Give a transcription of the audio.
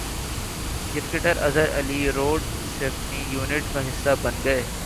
cricketer Azhar Ali road safety unit کا حصہ بن گئے